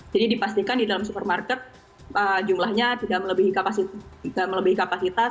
jadi dipastikan di dalam supermarket jumlahnya tidak melebihi kapasitas